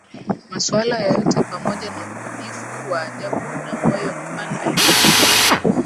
masuala yoyote pamoja na ubunifu wa ajabu na moyo mpan Aliunda